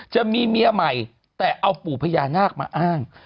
จะมีเมียใหม่แต่เอาปู่พญานาคมาอ้าง